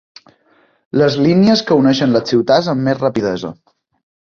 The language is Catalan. Les línies que uneixen les ciutats amb més rapidesa.